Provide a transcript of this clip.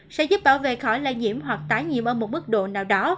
sẽ giúp bảo vệ khỏi lây nhiễm hoặc tái nhiễm ở một mức độ nào đó